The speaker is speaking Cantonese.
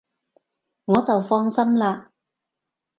我就放心喇